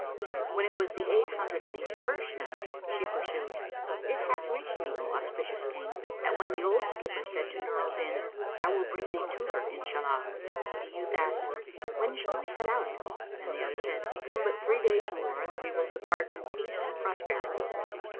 When it was the Eight Hundred and Eighty first Night, She pursued, It hath reached me, O auspicious King, that when the old skipper said to Nur al Din, "I will bring thee to her, Inshallah!" the youth asked, "When shall we set out?" and the other said, "Come but three days more and we will depart in peace and prosperity."